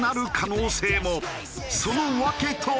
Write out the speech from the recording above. その訳とは？